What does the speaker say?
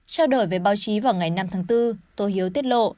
trao đổi với báo chí vào ngày năm tháng bốn tô hiếu tiết lộ